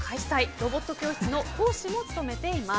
ロボット教室の講師も務めています。